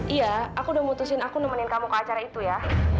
iya aku udah mutusin aku nemenin kamu ke acara itu ya